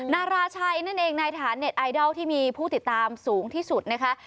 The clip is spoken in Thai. นาราชัยนั่นเองในฐานเน็ตไอดอลที่มีผู้ติดตามสูงที่สุดนะคะ